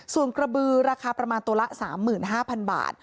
ส่วนกระบือราคาประมาณตัวละ๓๕๐๐๐บาท